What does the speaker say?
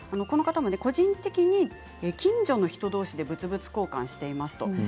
この方は個人的に近所の人どうしで物々交換しています。